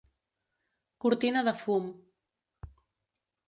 Cortina de fum.